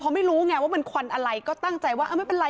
เพราะไม่รู้ไงว่ามันควันอะไรก็ตั้งใจว่าไม่เป็นไร